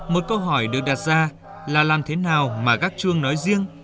một câu hỏi được đặt ra là làm thế nào mà gác chuông nói riêng